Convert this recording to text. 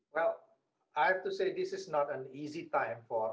saya harus mengatakan ini bukan